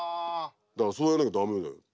だからそうやらなきゃ駄目だよって。